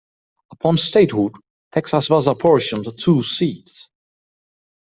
Upon statehood, Texas was apportioned two seats.